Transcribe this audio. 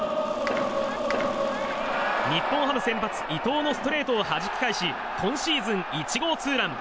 日本ハム先発伊藤のストレートをはじき返し今シーズン１号ツーラン。